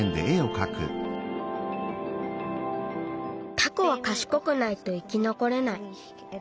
タコはかしこくないと生きのこれない。